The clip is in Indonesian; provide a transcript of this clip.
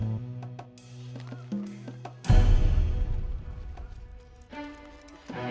mungk jan udah biru